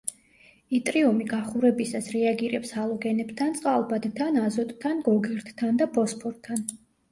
იტრიუმი გახურებისას რეაგირებს ჰალოგენებთან, წყალბადთან, აზოტთან, გოგირდთან და ფოსფორთან.